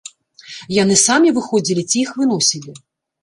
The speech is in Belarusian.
Яны самі выходзілі ці іх выносілі?